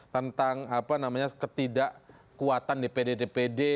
tentang apa namanya ketidakkuatan dpd dpd